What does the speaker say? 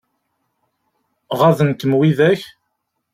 Ɣaḍen-kem widak?